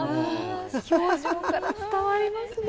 表情から伝わりますね。